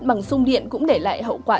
bằng sung điện cũng để lại hậu quả